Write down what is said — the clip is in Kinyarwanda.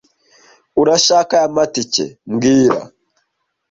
Urashaka aya matike mbwira